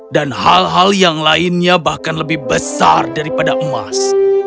hal hal yang lainnya bahkan lebih besar daripada emas